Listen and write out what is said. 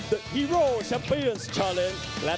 เทรนดีของเพศจินดา